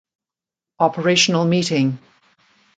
Operational meeting.